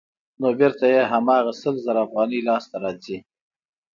نو بېرته یې هماغه سل زره افغانۍ لاسته راځي